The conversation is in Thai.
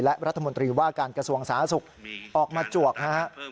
และรัฐมนตรีว่าการกระทรวงสาธารณสุขออกมาจวกนะฮะ